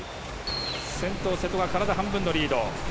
先頭、瀬戸は体半分のリード。